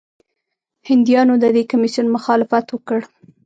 هندیانو د دې کمیسیون مخالفت وکړ.